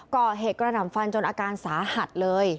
ก่อเหตุกระหน่ำฟันจนอาการสาหัสเลย